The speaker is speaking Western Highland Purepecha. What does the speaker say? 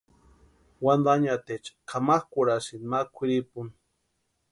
Wantanhiateecha kʼamakʼurhasïnti ma kwʼiripuni.